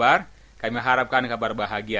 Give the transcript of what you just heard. oh damai ajaib dan permai